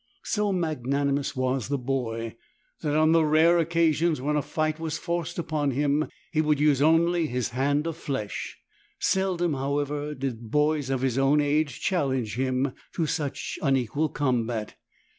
So magnanimous was the boy that on the rare occasions when a fight was forced upon him he would use only his hand of flesh. Seldom, however, did boys of his own age challenge him to such unequal combat.